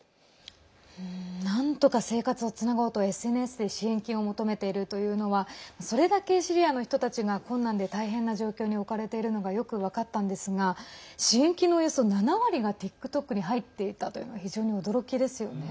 なんとか生活をつなごうとＳＮＳで支援金を求めているというのはそれだけシリアの人たちが困難で大変な状況に置かれているのがよく分かったんですが支援金のおよそ７割がＴｉｋＴｏｋに入っていたというのは非常に驚きですよね。